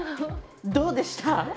どうでした？